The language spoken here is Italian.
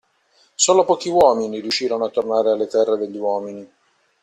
Solo pochi uomini riuscirono a tornare alle terre degli uomini.